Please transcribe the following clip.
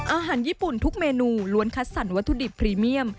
อาหารญี่ปุ่นทุกเมนูล้วนคัดสรรวัตถุดิบพรีเมียม